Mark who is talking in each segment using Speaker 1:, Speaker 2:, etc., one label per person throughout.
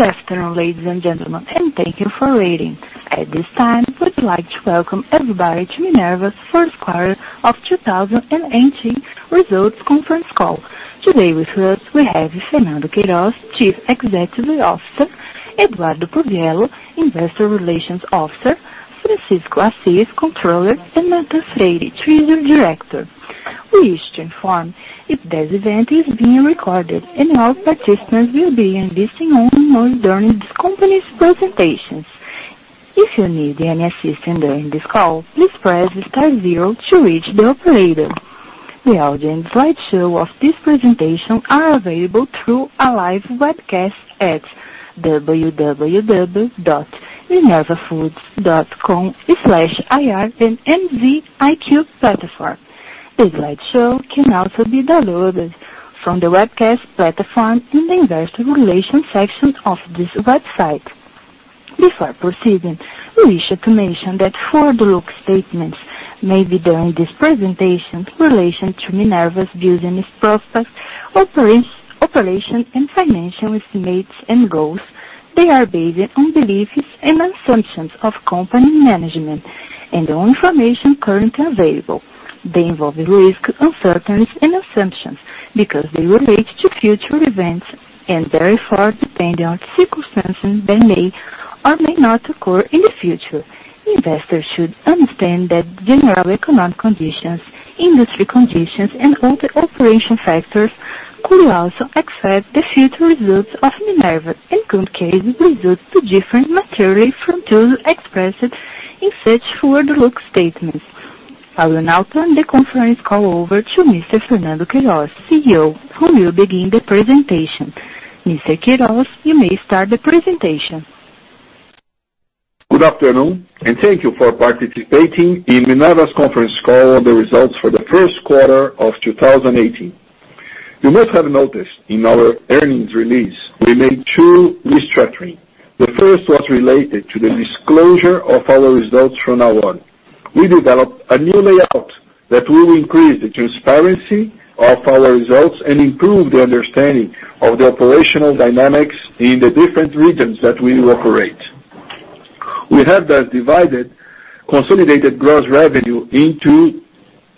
Speaker 1: Good afternoon, ladies and gentlemen, and thank you for waiting. At this time, we'd like to welcome everybody to Minerva's first quarter of 2018 results conference call. Today with us, we have Fernando Queiroz, Chief Executive Officer, Eduardo Puzziello, Investor Relations Officer, Francisco Assis, Comptroller, and Nathan Freire, Treasury Director. We wish to inform that this event is being recorded and all participants will be in listen-only mode during this company's presentations. If you need any assistance during this call, please press star zero to reach the operator. The audio and slideshow of this presentation are available through our live webcast at www.minervafoods.com/ir in MZiQ platform. The slideshow can also be downloaded from the webcast platform in the investor relations section of this website. Before proceeding, we wish to mention that forward-looking statements made during this presentation in relation to Minerva's business prospects, operations, and financial estimates and goals, they are based on beliefs and assumptions of company management and on information currently available. They involve risk, uncertainties, and assumptions because they relate to future events and therefore depend on circumstances that may or may not occur in the future. Investors should understand that general economic conditions, industry conditions, and other operational factors could also affect the future results of Minerva and could cause results to differ materially from those expressed in such forward-looking statements. I will now turn the conference call over to Mr. Fernando Queiroz, CEO, who will begin the presentation. Mr. Queiroz, you may start the presentation.
Speaker 2: Good afternoon, and thank you for participating in Minerva's conference call on the results for the first quarter of 2018. You must have noticed in our earnings release, we made two restructurings. The first was related to the disclosure of our results from now on. We developed a new layout that will increase the transparency of our results and improve the understanding of the operational dynamics in the different regions that we operate. We have thus divided consolidated gross revenue into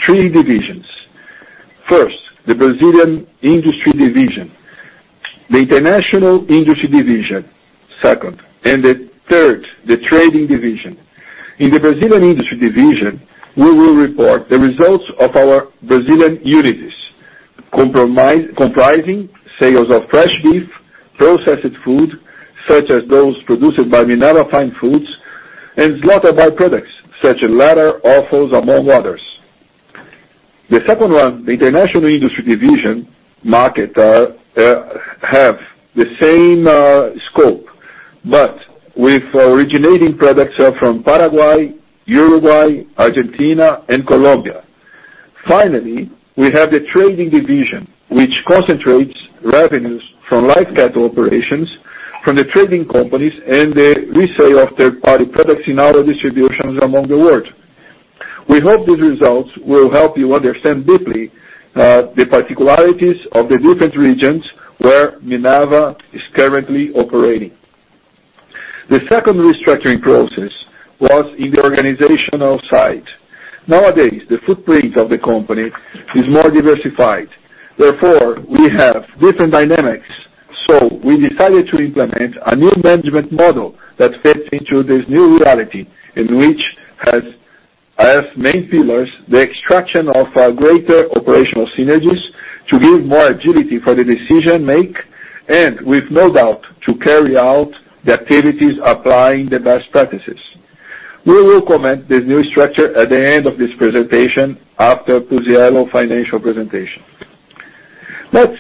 Speaker 2: three divisions. First, the Brazilian industry division, the international industry division, second, and then third, the trading division. In the Brazilian industry division, we will report the results of our Brazilian units, comprising sales of fresh beef, processed food, such as those produced by Minerva Fine Foods, and slaughter by-products, such as leather, offals, among others. The second one, the international industry division, will have the same scope, but with originating products from Paraguay, Uruguay, Argentina, and Colombia. Finally, we have the trading division, which concentrates revenues from livestock operations from the trading companies and the resale of third-party products in our distributions around the world. We hope these results will help you understand deeply the particularities of the different regions where Minerva is currently operating. The second restructuring process was on the organizational side. Nowadays, the footprint of the company is more diversified. Therefore, we have different dynamics. We decided to implement a new management model that fits into this new reality, which has, as main pillars, the extraction of our greater operational synergies to give more agility for decision-making and, with no doubt, to carry out the activities applying the best practices. We will comment this new structure at the end of this presentation after Puziello financial presentation. Let's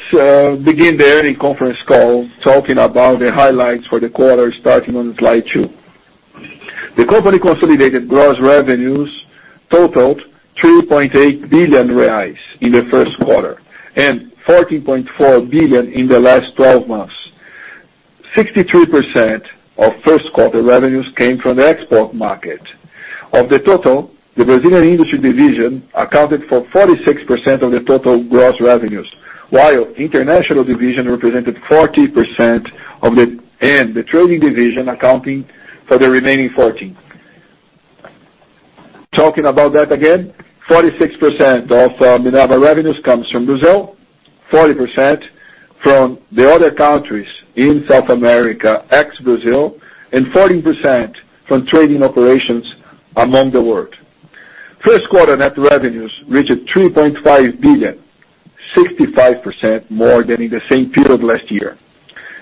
Speaker 2: begin the earnings conference call talking about the highlights for the quarter starting on slide two. The company consolidated gross revenues totaled 3.8 billion reais in the first quarter, and 14.4 billion in the last 12 months. 63% of first quarter revenues came from the export market. Of the total, the Brazilian industry division accounted for 46% of the total gross revenues, while international division represented 40%, and the trading division accounting for the remaining 14%. Talking about that again, 46% of Minerva revenues comes from Brazil, 40% from the other countries in South America, ex-Brazil, and 14% from trading operations among the world. First quarter net revenues reached 3.5 billion, 65% more than in the same period last year.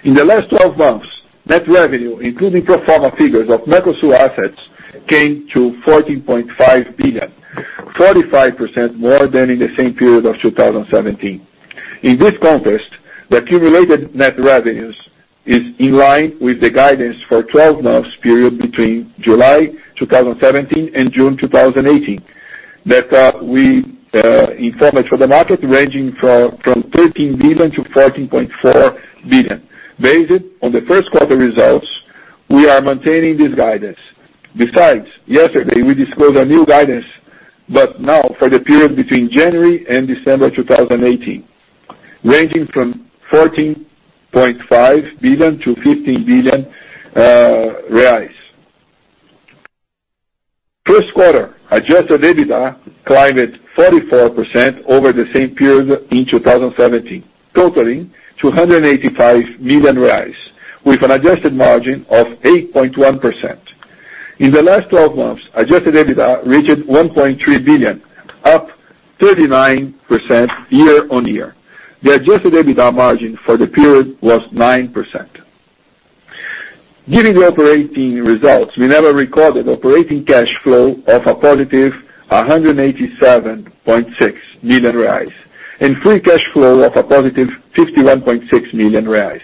Speaker 2: In the last 12 months, net revenue, including pro forma figures of Mercosul assets, came to 14.5 billion, 45% more than in the same period of 2017. In this context, the accumulated net revenues is in line with the guidance for 12-month period between July 2017 and June 2018, that we informed for the market ranging from 13 billion-14.4 billion. Based on the first quarter results, we are maintaining this guidance. Yesterday, we disclosed our new guidance, but now for the period between January and December 2018, ranging from 14.5 billion-15 billion reais. First quarter, adjusted EBITDA climbed 44% over the same period in 2017, totaling 285 million reais, with an adjusted margin of 8.1%. In the last 12 months, adjusted EBITDA reached 1.3 billion, up 39% year-on-year. The adjusted EBITDA margin for the period was 9%. Given the operating results, Minerva recorded operating cash flow of a positive 187.6 million reais and free cash flow of a positive 51.6 million reais.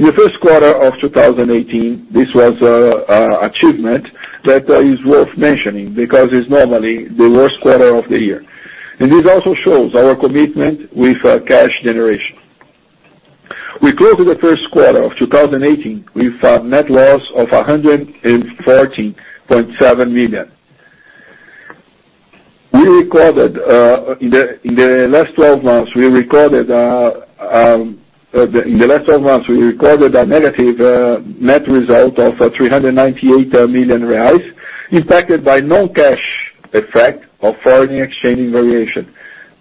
Speaker 2: In the first quarter of 2018, this was an achievement that is worth mentioning because it's normally the worst quarter of the year. This also shows our commitment with cash generation. We closed the first quarter of 2018 with a net loss of BRL 140.7 million. In the last 12 months, we recorded a negative net result of 398 million reais, impacted by non-cash effect of foreign exchange revaluation.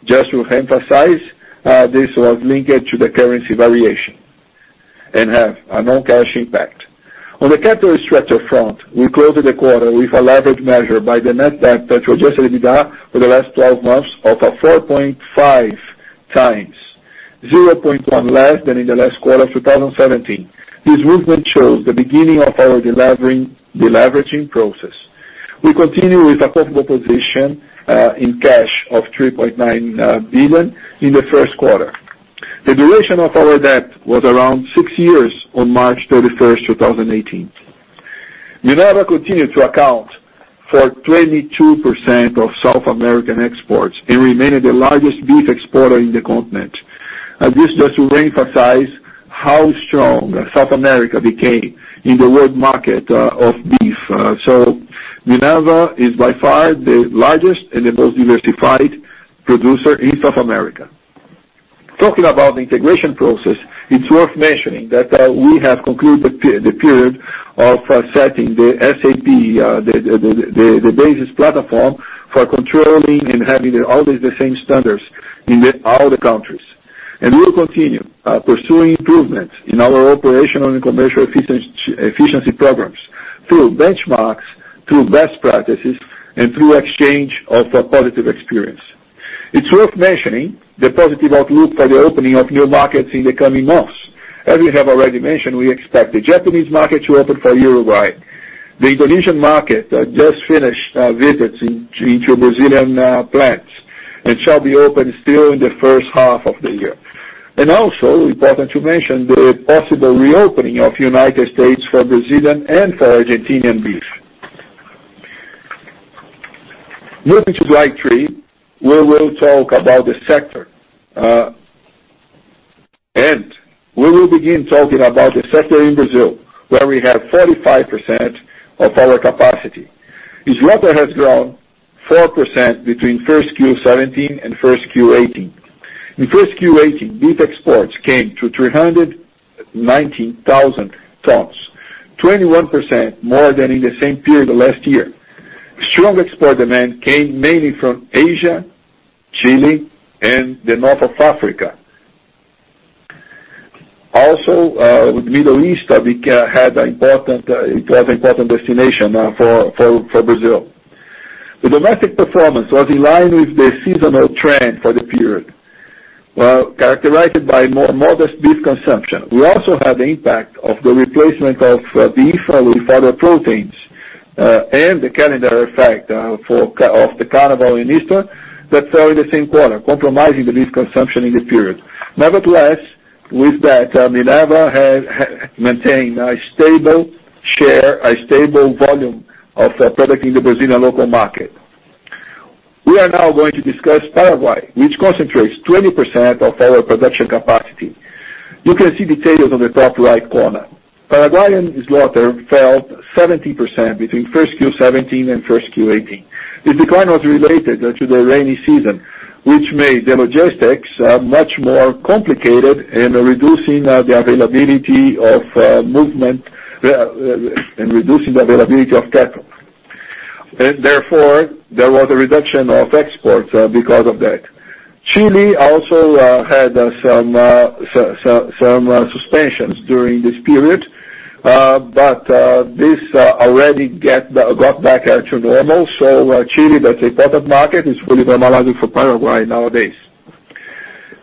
Speaker 2: Just to emphasize, this was linked to the currency variation and have a non-cash impact. On the capital structure front, we closed the quarter with a leverage measure by the net debt to adjusted EBITDA for the last 12 months of 4.5 times, 0.1 less than in the last quarter of 2017. This movement shows the beginning of our deleveraging process. We continue with a comfortable position in cash of 3.9 billion in the first quarter. The duration of our debt was around six years on March 31st, 2018. Minerva continued to account for 22% of South American exports and remained the largest beef exporter in the continent. This is just to reemphasize how strong South America became in the world market of beef. Minerva is by far the largest and the most diversified producer in South America. Talking about the integration process, it's worth mentioning that we have concluded the period of setting the SAP, the basis platform for controlling and having always the same standards in all the countries. We will continue pursuing improvements in our operational and commercial efficiency programs through benchmarks, through best practices, and through exchange of positive experience. It's worth mentioning the positive outlook for the opening of new markets in the coming months. As we have already mentioned, we expect the Japanese market to open for Uruguay. The Indonesian market just finished visits into Brazilian plants and shall be open still in the first half of the year. Also important to mention the possible reopening of United States for Brazilian and for Argentinian beef. Moving to slide three, we will talk about the sector. We will begin talking about the sector in Brazil, where we have 45% of our capacity. Its market has grown 4% between first Q17 and first Q18. In first Q18, beef exports came to 390,000 tons, 21% more than in the same period last year. Strong export demand came mainly from Asia, Chile, and the north of Africa. Also, with Middle East, it was an important destination for Brazil. The domestic performance was in line with the seasonal trend for the period, while characterized by modest beef consumption. We also had the impact of the replacement of beef with other proteins, and the calendar effect of the Carnival in Easter that fell in the same quarter, compromising the beef consumption in the period. Nevertheless, with that, Minerva has maintained a stable share, a stable volume of product in the Brazilian local market. We are now going to discuss Paraguay, which concentrates 20% of our production capacity. You can see details on the top-right corner. Paraguayan slaughter fell 70% between first Q17 and first Q18. The decline was related to the rainy season, which made the logistics much more complicated in reducing the availability of cattle. There was a reduction of exports because of that. Chile also had some suspensions during this period, but this already got back to normal. Chile, that important market, is fully normalizing for Paraguay nowadays.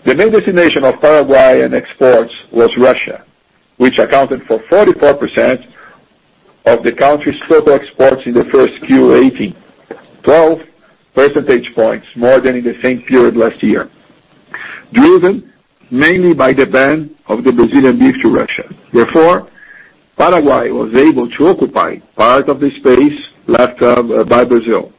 Speaker 2: The main destination of Paraguayan exports was Russia, which accounted for 44% of the country's total exports in the first Q18, 12 percentage points more than in the same period last year, driven mainly by the ban of the Brazilian beef to Russia. Paraguay was able to occupy part of the space left by Brazil.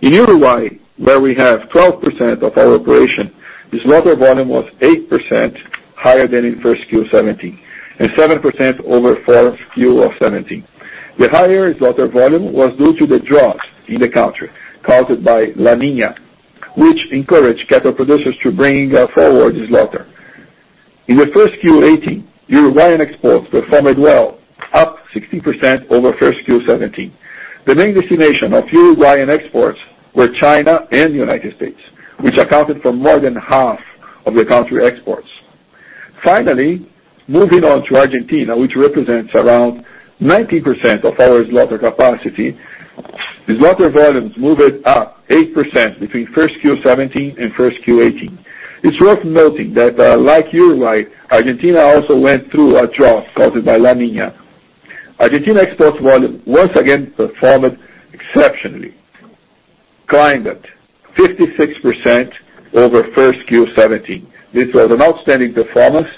Speaker 2: In Uruguay, where we have 12% of our operation, the slaughter volume was 8% higher than in first Q17, and 7% over fourth Q of '17. The higher slaughter volume was due to the droughts in the country caused by La Niña, which encouraged cattle producers to bring forward the slaughter. In the first Q18, Uruguayan exports performed well, up 16% over first Q17. The main destination of Uruguayan exports were China and United States, which accounted for more than half of the country exports. Finally, moving on to Argentina, which represents around 19% of our slaughter capacity, the slaughter volumes moved up 8% between first Q17 and first Q18. It's worth noting that like Uruguay, Argentina also went through a drought caused by La Niña. Argentina export volume, once again, performed exceptionally, climbed at 56% over first Q17. This was an outstanding performance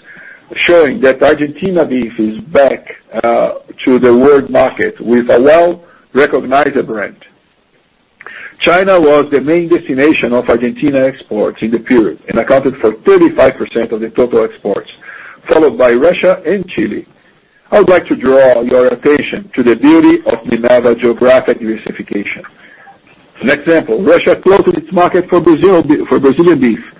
Speaker 2: showing that Argentina beef is back to the world market with a well-recognized brand. China was the main destination of Argentina exports in the period and accounted for 35% of the total exports, followed by Russia and Chile. I would like to draw your attention to the beauty of Minerva geographic diversification. An example, Russia closed its market for Brazilian beef.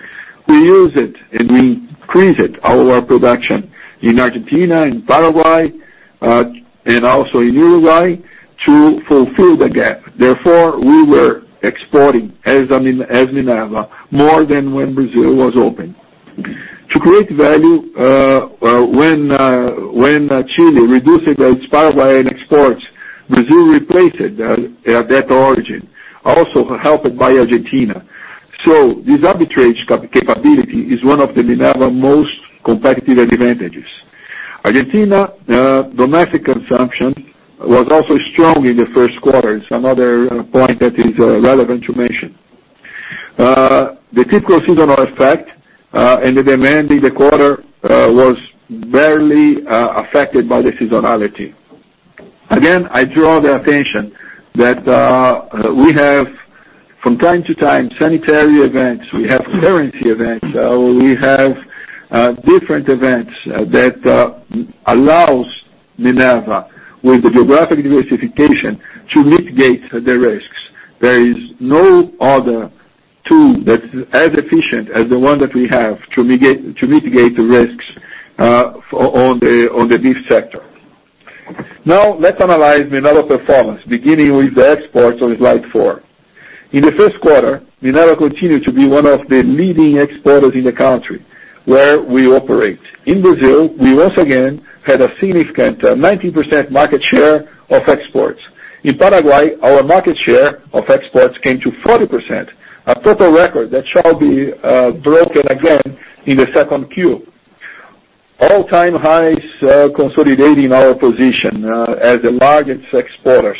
Speaker 2: We used it, we increased our production in Argentina, in Paraguay, and also in Uruguay to fulfill the gap. Therefore, we were exporting as Minerva more than when Brazil was open. To create value, when Chile reduced its Paraguay exports, Brazil replaced that origin, also helped by Argentina. This arbitrage capability is one of Minerva's most competitive advantages. Argentina domestic consumption was also strong in the first quarter. It is another point that is relevant to mention. The typical seasonal effect and the demand in the quarter was barely affected by the seasonality. I draw the attention that we have from time to time, sanitary events, we have currency events, we have different events that allows Minerva, with the geographic diversification, to mitigate the risks. There is no other tool that is as efficient as the one that we have to mitigate the risks on the beef sector. Let's analyze Minerva performance, beginning with the exports on slide four. In the first quarter, Minerva continued to be one of the leading exporters in the country where we operate. In Brazil, we once again had a significant 19% market share of exports. In Paraguay, our market share of exports came to 40%, a total record that shall be broken again in the second Q. All-time highs consolidating our position as the largest exporter.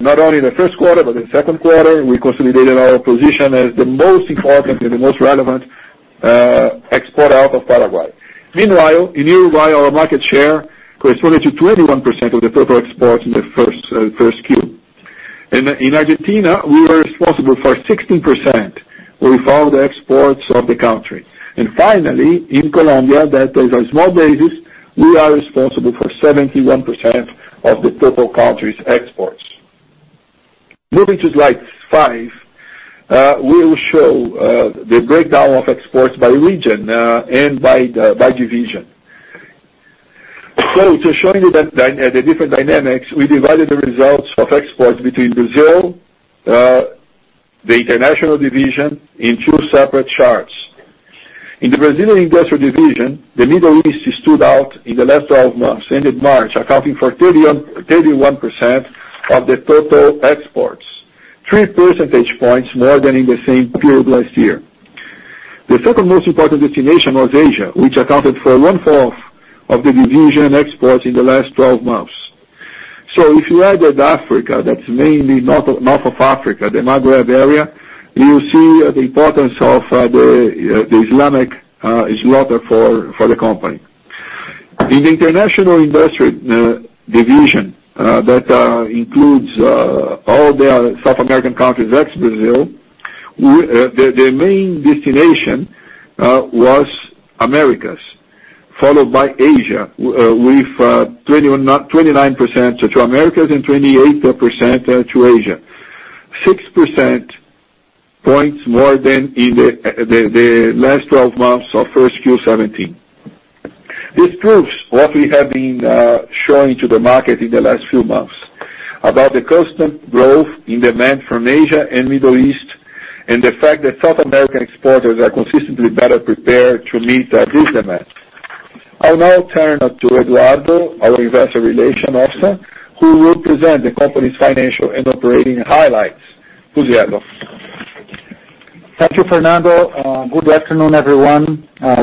Speaker 2: Not only in the first quarter, but the second quarter, we consolidated our position as the most important and the most relevant exporter out of Paraguay. Meanwhile, in Uruguay, our market share consolidated to 21% of the total exports in the first Q. In Argentina, we were responsible for 16% with all the exports of the country. Finally, in Colombia, that is a small basis, we are responsible for 71% of the total country's exports. Moving to slide five, we will show the breakdown of exports by region and by division. To show you the different dynamics, we divided the results of exports between Brazil, the international division, in two separate charts. In the Brazilian industrial division, the Middle East stood out in the last 12 months, ended March, accounting for 31% of the total exports, three percentage points more than in the same period last year. The second most important destination was Asia, which accounted for one-fourth of the division exports in the last 12 months. If you added Africa, that is mainly north of Africa, the Maghreb area, you see the importance of the Islamic slaughter for the company. In the international industrial division, that includes all the South American countries, ex-Brazil, their main destination was Americas, followed by Asia, with 29% to Americas and 28% to Asia. Six percentage points more than in the last 12 months of first Q 2017. This proves what we have been showing to the market in the last few months about the constant growth in demand from Asia and Middle East, and the fact that South American exporters are consistently better prepared to meet that demand. I will now turn to Eduardo, our Investor Relations Officer, who will present the company's financial and operating highlights. Eduardo.
Speaker 3: Thank you, Fernando. Good afternoon, everyone.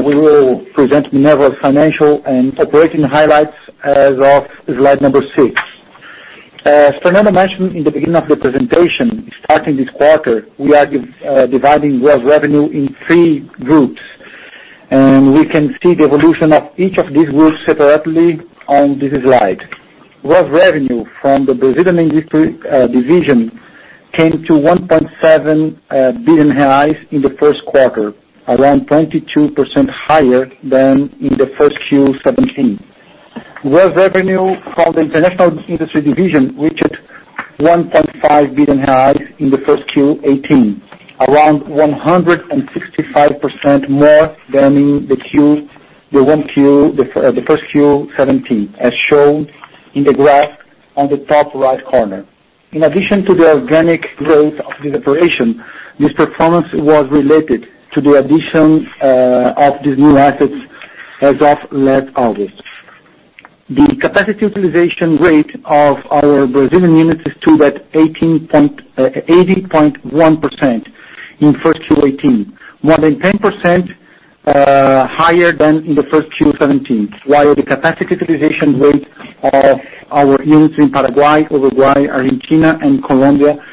Speaker 3: We will present Minerva's financial and operating highlights as of slide number six. As Fernando mentioned in the beginning of the presentation, starting this quarter, we are dividing world revenue in three groups. We can see the evolution of each of these groups separately on this slide. Gross revenue from the Brazilian industry division came to 1.7 billion reais in the first quarter, around 22% higher than in the first Q 2017. Gross revenue from the international industry division reached 1.5 billion reais in the first Q 2018, around 165% more than the first Q 2017, as shown in the graph on the top-right corner. In addition to the organic growth of this operation, this performance was related to the addition of these new assets as of last August. The capacity utilization rate of our Brazilian units is stood at 80.1% in first Q 2018, more than 10% higher than in the first Q 2017, while the capacity utilization rate of our units in Paraguay, Uruguay, Argentina, and Colombia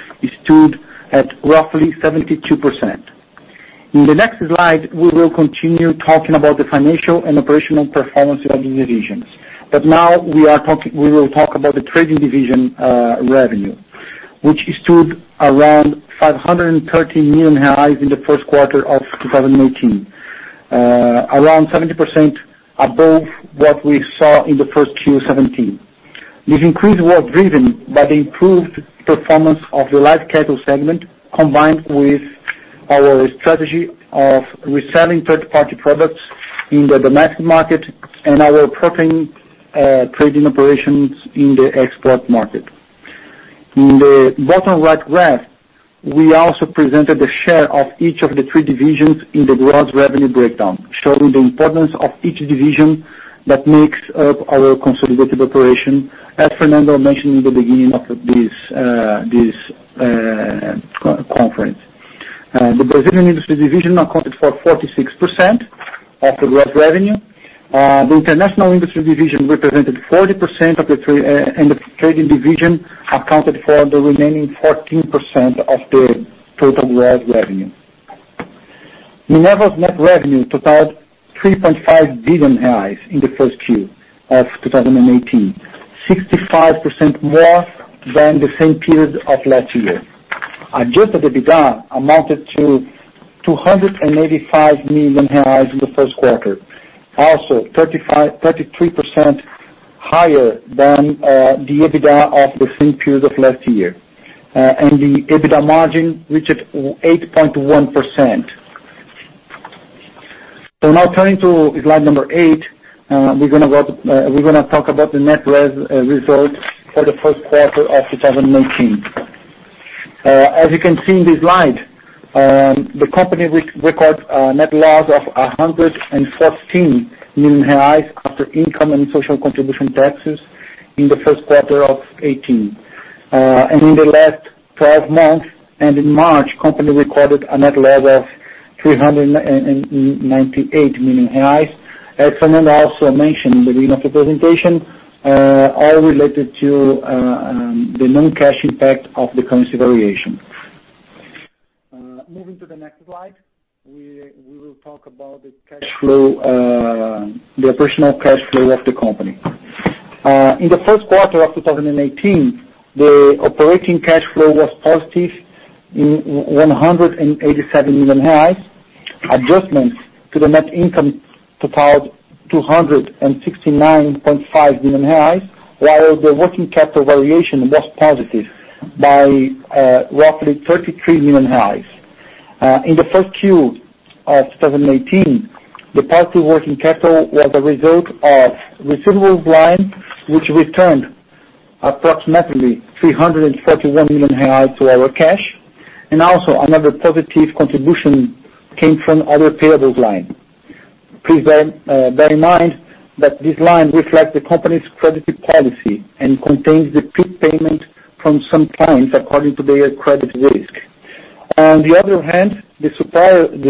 Speaker 3: stood at roughly 72%. In the next slide, we will continue talking about the financial and operational performance of the divisions. Now, we will talk about the trading division revenue, which stood around 530 million in the first quarter of 2018, around 70% above what we saw in the first Q 2017. This increase was driven by the improved performance of the live cattle segment, combined with our strategy of reselling third-party products in the domestic market and our protein trading operations in the export market. In the bottom-right graph, we also presented the share of each of the three divisions in the gross revenue breakdown, showing the importance of each division that makes up our consolidated operation, as Fernando mentioned in the beginning of this conference. The Brazilian industry division accounted for 46% of the gross revenue. The international industry division represented 40%, and the trading division accounted for the remaining 14% of the total gross revenue. Minerva's net revenue totaled 3.5 billion reais in the first Q 2018, 65% more than the same period of last year. Adjusted EBITDA amounted to 285 million reais in the first quarter, also 33% higher than the EBITDA of the same period of last year. The EBITDA margin reached 8.1%. Now turning to slide number eight, we're going to talk about the net revenue results for the first quarter of 2018. As you can see in this slide, the company record a net loss of 114 million reais after income and social contribution taxes in the first quarter of 2018. In the last 12 months, and in March, company recorded a net loss of 398 million reais. As Fernando also mentioned in the beginning of the presentation, all related to the non-cash impact of the currency variation. Moving to the next slide. We will talk about the operational cash flow of the company. In the first quarter of 2018, the operating cash flow was positive, 187 million. Adjustments to the net income totaled 269.5 million, while the working capital variation was positive by roughly 33 million. In the first Q 2018, the positive working capital was a result of receivables line, which returned approximately 341 million to our cash. Also, another positive contribution came from other payables line. Please bear in mind that this line reflects the company's credit policy and contains the quick payment from some clients according to their credit risk. On the other hand, the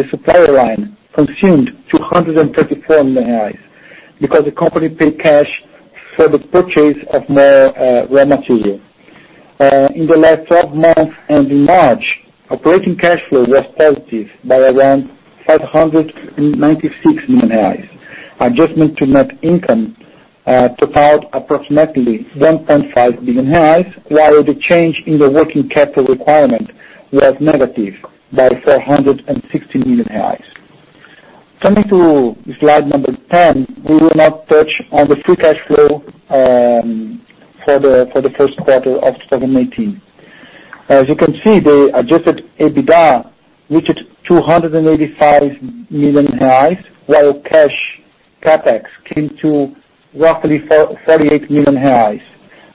Speaker 3: supplier line consumed 234 million reais because the company paid cash for the purchase of more raw material. In the last 12 months and in March, operating cash flow was positive by around 596 million reais. Adjustment to net income totaled approximately 1.5 billion reais, while the change in the working capital requirement was negative by 460 million. Coming to slide 10, we will now touch on the free cash flow for the first quarter of 2018. As you can see, the Adjusted EBITDA reached 285 million reais, while cash CapEx came to roughly 48 million reais.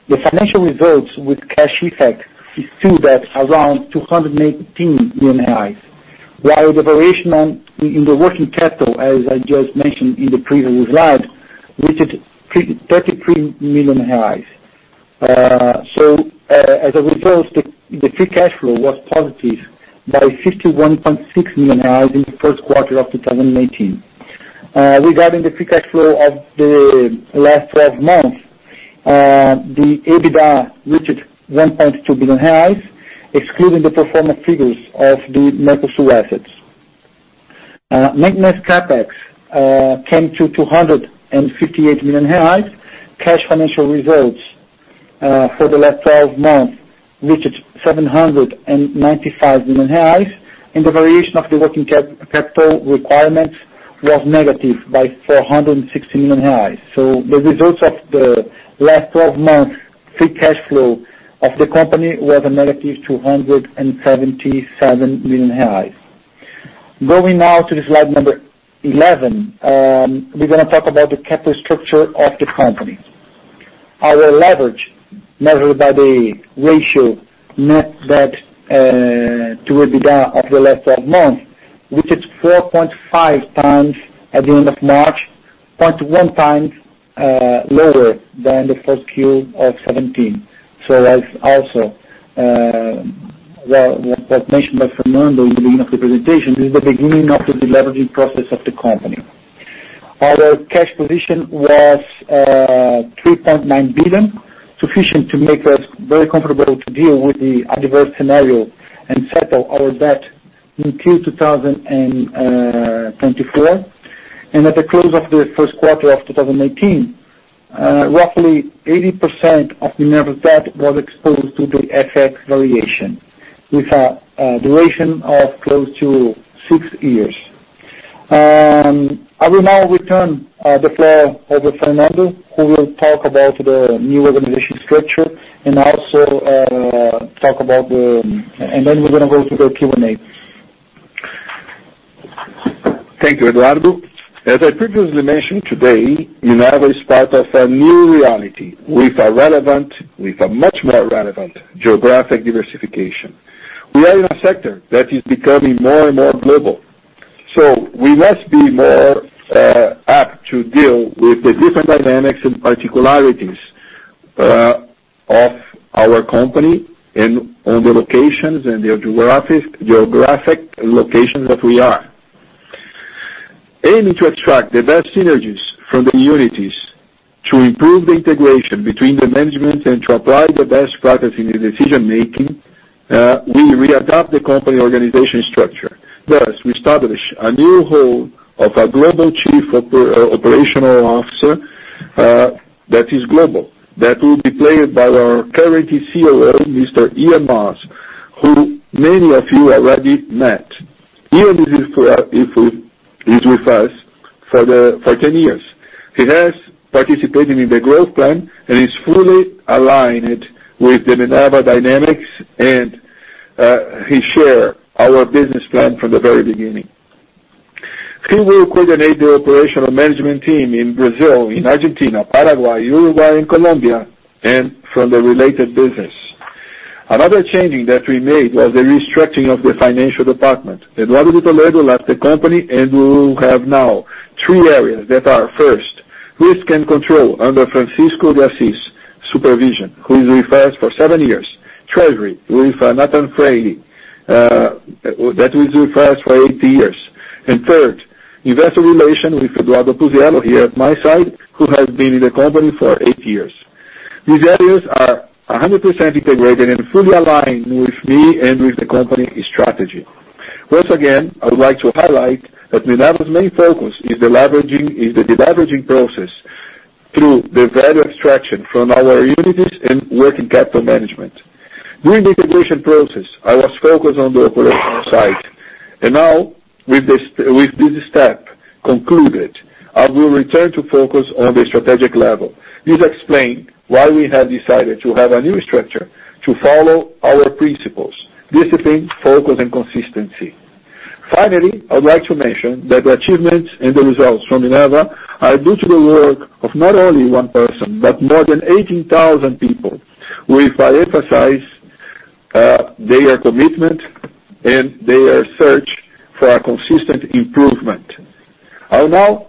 Speaker 3: The financial results with cash effect is still around 218 million reais, while the variation in the working capital, as I just mentioned in the previous slide, reached 33 million reais. As a result, the free cash flow was positive by BRL 51.6 million in the first quarter of 2018. Regarding the free cash flow of the last 12 months, the EBITDA reached 1.2 billion, excluding the pro forma figures of the Mercosul assets. Net cash CapEx came to 258 million. Cash financial results for the last 12 months reached 795 million reais, and the variation of the working capital requirements was negative by 460 million reais. The results of the last 12 months free cash flow of the company was a negative 277 million reais. Going now to slide 11, we're going to talk about the capital structure of the company. Our leverage measured by the ratio net debt to EBITDA of the last 12 months, which is 4.5 times at the end of March, 0.1 times lower than the first quarter of 2017. As also what was mentioned by Fernando in the beginning of the presentation, this is the beginning of the deleveraging process of the company. Our cash position was 3.9 billion, sufficient to make us very comfortable to deal with the adverse scenario and settle our debt until 2024. At the close of the first quarter of 2018, roughly 80% of Minerva's debt was exposed to the FX variation with a duration of close to six years. I will now return the floor over to Fernando, who will talk about the new organization structure and then we're going to go to the Q&A.
Speaker 2: Thank you, Eduardo. As I previously mentioned today, Minerva is part of a new reality with a much more relevant geographic diversification. We are in a sector that is becoming more and more global. We must be more apt to deal with the different dynamics and particularities of our company and on the locations and the geographic locations that we are. Aiming to extract the best synergies from the units to improve the integration between the management and to apply the best practice in the decision-making, we readopt the company organization structure. Thus, we establish a new role of a Global Chief Operational Officer, that is global, that will be played by our current COO, Mr. Iain Mars, who many of you already met. Ian is with us for 10 years. He has participated in the growth plan and is fully aligned with the Minerva dynamics and he share our business plan from the very beginning. He will coordinate the operational management team in Brazil, in Argentina, Paraguay, Uruguay, and Colombia, and from the related business. Another changing that we made was the restructuring of the financial department. Eduardo de Toledo left the company, and we will have now three areas that are, first, risk and control under Francisco de Assis' supervision, who is with us for seven years. Treasury with Nathan Freire, that was with us for eight years. Third, investor relation with Eduardo Puziello, here at my side, who has been in the company for eight years. These areas are 100% integrated and fully aligned with me and with the company strategy. Once again, I would like to highlight that Minerva's main focus is the deleveraging process through the value extraction from our units and working capital management. During the integration process, I was focused on the operational side. Now, with this step concluded, I will return to focus on the strategic level. This explain why we have decided to have a new structure to follow our principles: discipline, focus, and consistency. Finally, I would like to mention that the achievements and the results from Minerva are due to the work of not only one person, but more than 18,000 people with emphasize their commitment and their search for a consistent improvement. I will now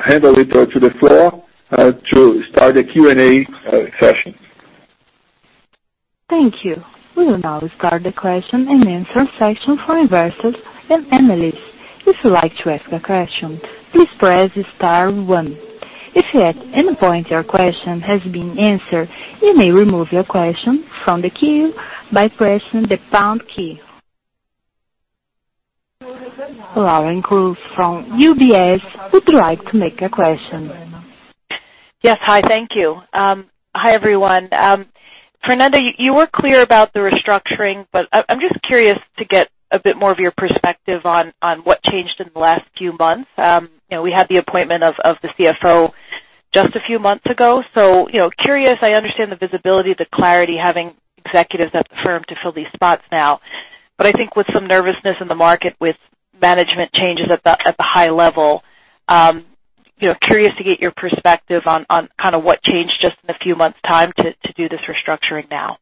Speaker 2: hand over to the floor to start the Q&A session.
Speaker 1: Thank you. We will now start the question and answer session for investors and analysts. If you'd like to ask a question, please press star one. If at any point your question has been answered, you may remove your question from the queue by pressing the pound key. Loren [Youngsters] from UBS would like to make a question.
Speaker 4: Yes. Hi, thank you. Hi, everyone. Fernando, you were clear about the restructuring, I'm just curious to get a bit more of your perspective on what changed in the last few months. We had the appointment of the CFO just a few months ago. Curious, I understand the visibility, the clarity, having executives at the firm to fill these spots now. I think with some nervousness in the market with management changes at the high level, curious to get your perspective on what changed just in a few months' time to do this restructuring now.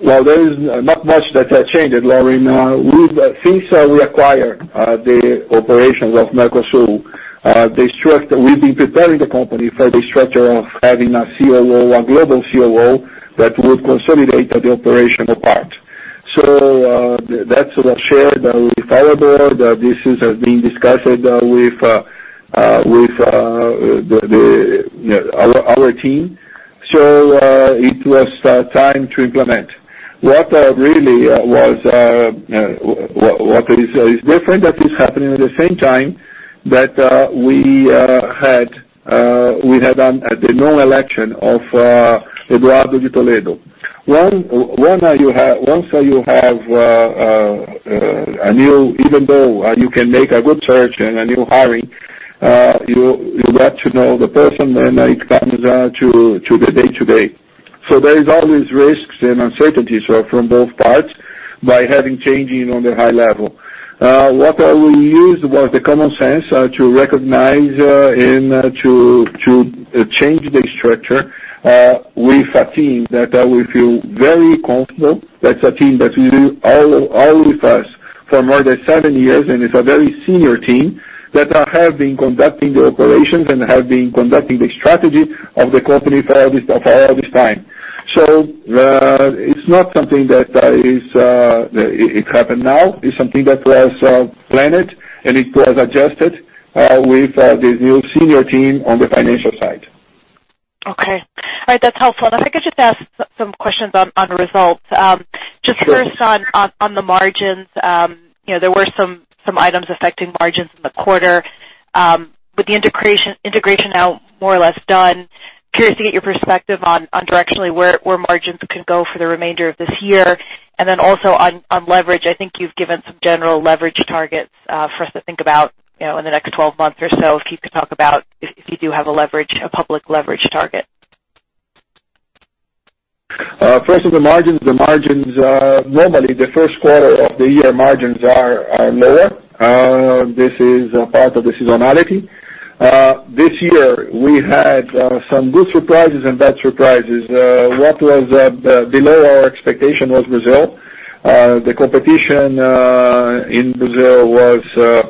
Speaker 2: Well, there is not much that has changed, Loren. Since we acquired the operations of Mercosul, we've been preparing the company for the structure of having a global COO that would consolidate the operational part. That was shared with our board. This has been discussed with our team. It was time to implement. What is different that is happening at the same time, that we had the non-election of Eduardo de Toledo. Once you have a new even though you can make a good search and a new hiring, you get to know the person and it comes to the day-to-day. There is always risks and uncertainties from both parts by having changing on the high level. What we used was the common sense to recognize and to change the structure with a team that we feel very comfortable, that's a team that's been all with us for more than seven years, and it's a very senior team that have been conducting the operations and have been conducting the strategy of the company for all this time. It's not something that happened now. It's something that was planned, and it was adjusted with the new senior team on the financial side.
Speaker 4: Okay. All right. That's helpful. If I could just ask some questions on results.
Speaker 2: Sure.
Speaker 4: Just first on the margins. There were some items affecting margins in the quarter. With the integration now more or less done, curious to get your perspective on directionally where margins could go for the remainder of this year. Also on leverage. I think you've given some general leverage targets for us to think about in the next 12 months or so. If you could talk about if you do have a public leverage target.
Speaker 2: First on the margins. Normally, the first quarter of the year margins are lower. This is part of the seasonality. This year we had some good surprises and bad surprises. What was below our expectation was Brazil. The competition in Brazil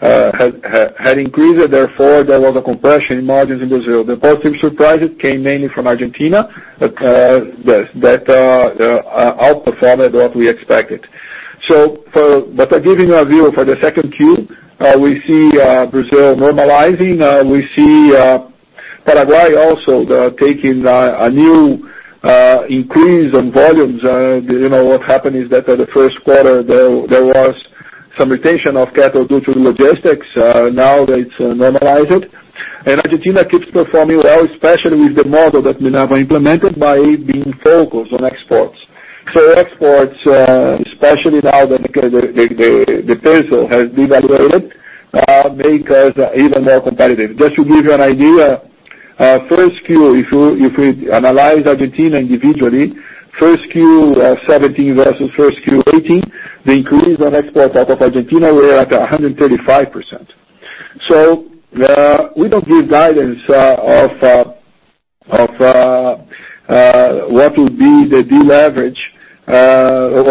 Speaker 2: had increased, therefore, there was a compression in margins in Brazil. The positive surprises came mainly from Argentina. That outperformed what we expected. Giving a view for the second Q, we see Brazil normalizing. We see Paraguay also taking a new increase on volumes. What happened is that in the first quarter, there was some rotation of cattle due to logistics. Now that it's normalized. Argentina keeps performing well, especially with the model that Minerva implemented by being focused on exports. exports, especially now that the peso has devaluated, makes us even more competitive. Just to give you an idea, first Q, if we analyze Argentina individually, first Q 2017 versus first Q 2018, the increase on exports out of Argentina were at 135%. We don't give guidance of what would be the deleverage that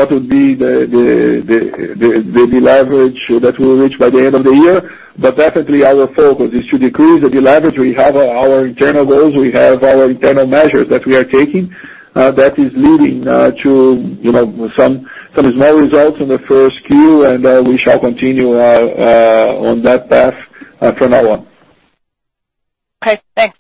Speaker 2: we'll reach by the end of the year. Definitely our focus is to decrease the deleverage. We have our internal goals, we have our internal measures that we are taking that is leading to some small results in the first Q, and we shall continue on that path from now on.
Speaker 4: Okay, thanks.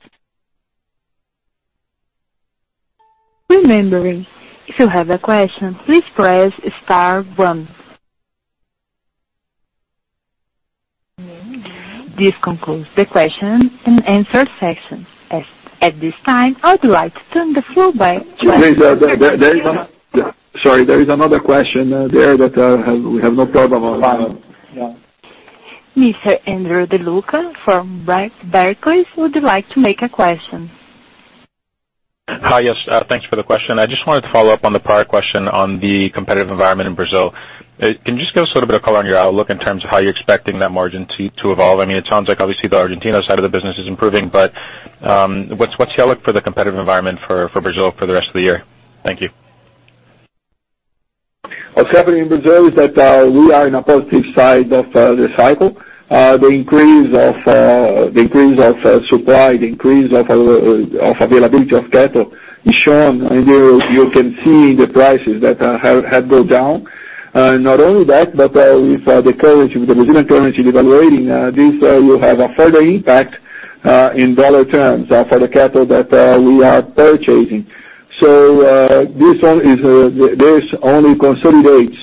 Speaker 1: Remembering, if you have a question, please press star one. This concludes the question and answer session. At this time, I would like to turn the floor back to-
Speaker 2: Sorry, there is another question there that we have not talked about.
Speaker 1: Mr. Andrew De Luca from Berkowitz, would you like to make a question?
Speaker 5: Hi. Yes. Thanks for the question. I just wanted to follow up on the prior question on the competitive environment in Brazil. Can you just give us a little bit of color on your outlook in terms of how you're expecting that margin to evolve? It sounds like obviously the Argentina side of the business is improving, what's your outlook for the competitive environment for Brazil for the rest of the year? Thank you.
Speaker 2: What's happening in Brazil is that we are in a positive side of the cycle. The increase of supply, the increase of availability of cattle is shown, and you can see the prices that have go down. Not only that, with the Brazilian currency devaluating, this will have a further impact in dollar terms for the cattle that we are purchasing. This only consolidates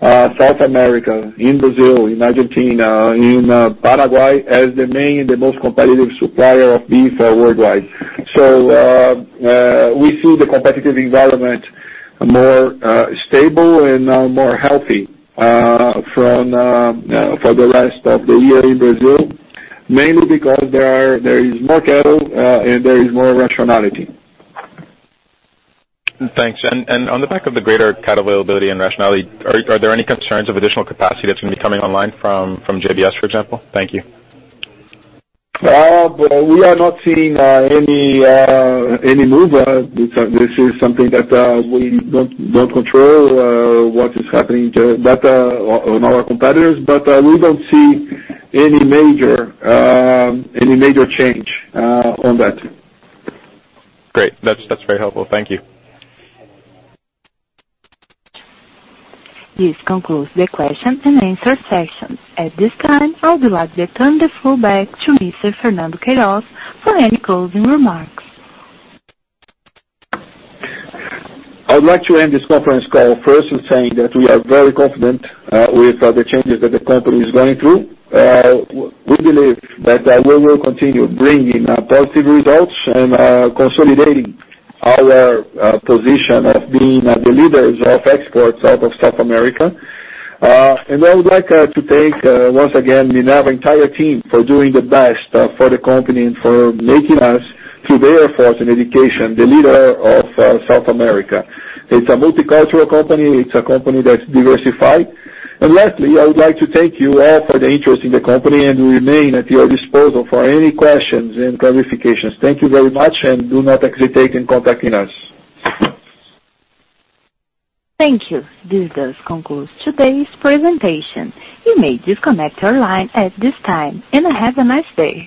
Speaker 2: South America in Brazil, in Argentina, in Paraguay as the main and the most competitive supplier of beef worldwide. We see the competitive environment more stable and now more healthy for the rest of the year in Brazil, mainly because there is more cattle and there is more rationality.
Speaker 5: Thanks. On the back of the greater cattle availability and rationality, are there any concerns of additional capacity that's going to be coming online from JBS, for example? Thank you.
Speaker 2: We are not seeing any movement. This is something that we don't control what is happening on our competitors. We don't see any major change on that.
Speaker 5: Great. That's very helpful. Thank you.
Speaker 1: This concludes the question and answer session. At this time, I would like to turn the floor back to Mr. Fernando Queiroz for any closing remarks.
Speaker 2: I would like to end this conference call first in saying that we are very confident with the changes that the company is going through. We believe that we will continue bringing positive results and consolidating our position of being the leaders of beef exports out of South America. I would like to thank, once again, Minerva entire team for doing the best for the company and for making us, through their effort and dedication, the leader of South America. It's a multicultural company. It's a company that's diversified. Lastly, I would like to thank you all for the interest in the company and remain at your disposal for any questions and clarifications. Thank you very much, and do not hesitate in contacting us.
Speaker 1: Thank you. This does conclude today's presentation. You may disconnect your line at this time, and have a nice day.